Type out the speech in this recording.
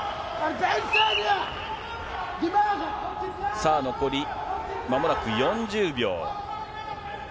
さあ、残りまもなく４０秒。